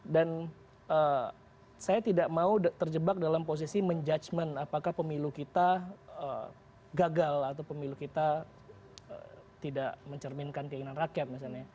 dan saya tidak mau terjebak dalam posisi menjudge apakah pemilu kita gagal atau pemilu kita tidak mencerminkan keinginan rakyat